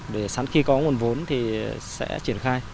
để sẵn khi có nguồn vốn thì sẽ triển khai